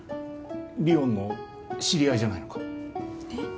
凛音の知り合いじゃないのか？